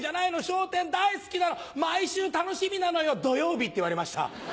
『笑点』大好きなの毎週楽しみなのよ土曜日」って言われました。